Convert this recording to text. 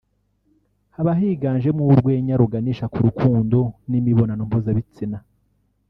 haba higanjemo urwenya ruganisha ku rukundo n’imibonano mpuzabitsina